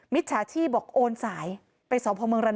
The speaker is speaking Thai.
มิษฐที่บอกโอนไส่ไปสอบกมรนให้